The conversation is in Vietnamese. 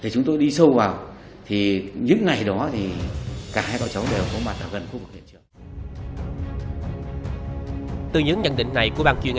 chúng tôi xong mối quan hệ của nó